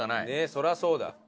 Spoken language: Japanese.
そりゃそうだ。